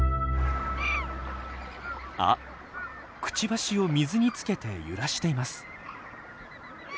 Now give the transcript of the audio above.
あっクチバシを水につけて揺らしています。